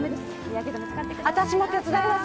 私も手伝います